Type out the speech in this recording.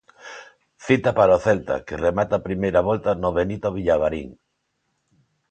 Cita para o Celta, que remata a primeira volta no Benito Villamarín.